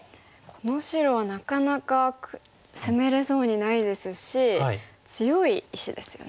この白はなかなか攻めれそうにないですし強い石ですよね。